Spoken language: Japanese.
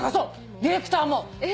ディレクターも。